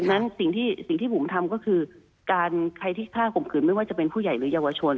นั้นสิ่งที่ผมทำก็คือการใครที่ฆ่าข่มขืนไม่ว่าจะเป็นผู้ใหญ่หรือเยาวชน